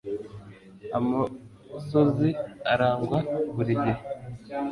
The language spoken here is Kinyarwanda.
amosozi aragwa buri gihe